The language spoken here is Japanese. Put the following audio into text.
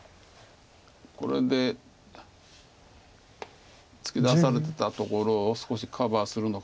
これで突き出されてたところを少しカバーするのか。